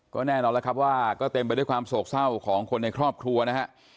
ก็แน่นอนแล้วครับว่าก็เต็มไปด้วยความโศกเศร้าของคนในครอบครัวนะฮะ